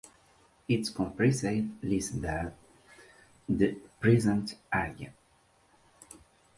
It comprised less than the present area.